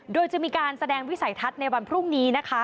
โดยจะมีการแสดงวิสัยทัศน์ในวันพรุ่งนี้นะคะ